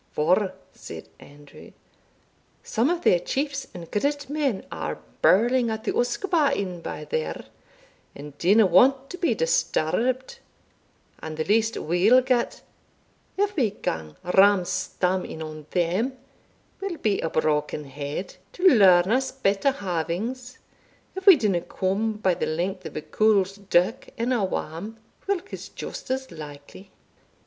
"For," said Andrew, "some of their chiefs and grit men are birling at the usquebaugh in by there, and dinna want to be disturbed; and the least we'll get, if we gang ramstam in on them, will be a broken head, to learn us better havings, if we dinna come by the length of a cauld dirk in our wame, whilk is just as likely."